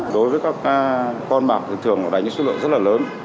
đối với các con bạc thì thường nó đánh cái số lượng rất là lớn